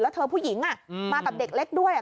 แล้วเธอผู้หญิงมากับเด็กเล็กด้วย